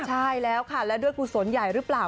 ใช่แล้วค่ะแล้วด้วยกุศลใหญ่หรือเปล่า